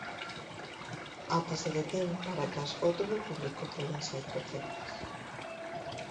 Ata se detén para que as fotos do público poidan saír perfectas.